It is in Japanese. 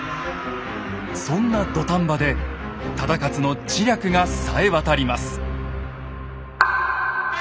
そんな土壇場で忠勝の知略がさえわたります。